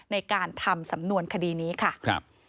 ในการทำสำนวนคดีนี้ค่ะ